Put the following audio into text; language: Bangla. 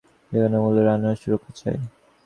যেকোনো মূল্যে রানওয়ের সুরক্ষা চাই।